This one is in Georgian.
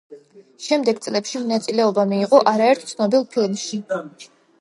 შემდეგ წლებში მონაწილეობა მიიღო არაერთ ცნობილ ფილმში.